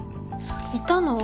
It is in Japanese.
いたの？